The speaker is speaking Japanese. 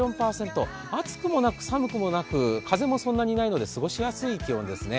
暑くもなく、寒くもなく、風もそんなにないので過ごしやすい気温ですね。